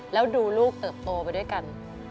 แล้วดูลูกเติบโตไปด้วยกัน